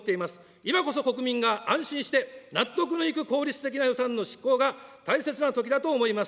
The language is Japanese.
今こそ、国民が安心して納得のいく効率的な予算の執行が大切なときだと思います。